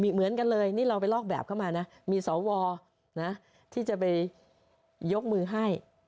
เหมือนกันเลยนี่เราไปลอกแบบเข้ามานะมีสวนะที่จะไปยกมือให้